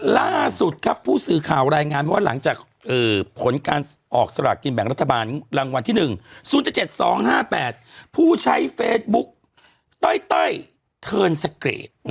ล่าสุดครับผู้สื่อข่าวรายงานว่าหลังจากผลการออกสลากกินแบ่งรัฐบาลรางวัลที่๑๐๗๗๒๕๘ผู้ใช้เฟซบุ๊กต้อยเทิร์นสเกรด